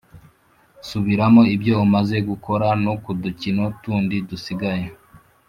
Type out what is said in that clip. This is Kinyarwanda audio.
Subiramo ibyo umaze gukora no ku dukino tundi dusigaye